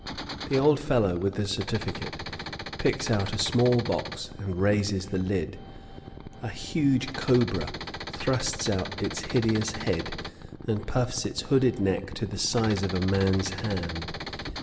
The old fellow with the certificate picks out a small box and raises the lid; a huge cobra thrusts out its hideous head and puffs its hooded neck to the size of a man's hand.